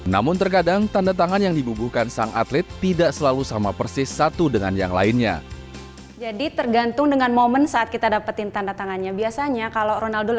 namun terkadang tanda tangan yang dibubuhkan sang atlet tidak selalu sama persis satu dengan yang lainnya